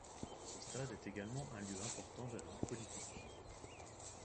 Ce stade est également un lieu important de la vie politique.